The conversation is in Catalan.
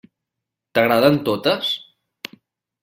T'agraden totes?